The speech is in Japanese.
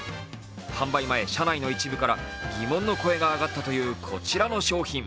販売前、社内の一部から疑問の声が上がったというこちらの商品。